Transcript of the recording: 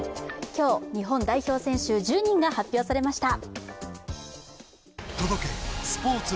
今日、日本代表選手１０人が発表されました。